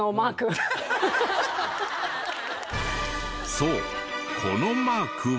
そうこのマークは。